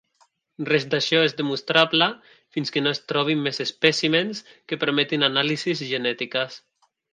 Res d'això és demostrable fins que no es trobin més espècimens que permetin anàlisis genètiques.